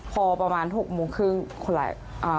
พอประมาณ๖โมงครึ่งคนร้าย